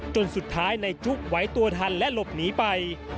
จนสุดท้ายในจุ๊กไหวตัวทันและหลบหนีไป